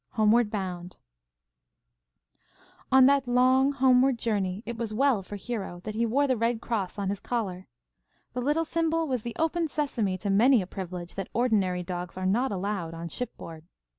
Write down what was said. HOMEWARD BOUND On that long, homeward journey it was well for Hero that he wore the Red Cross on his collar. The little symbol was the open sesame to many a privilege that ordinary dogs are not allowed on shipboard.